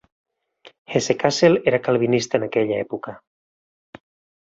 Hesse-Kassel era calvinista en aquella època.